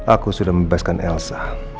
aku sudah membebaskan elsa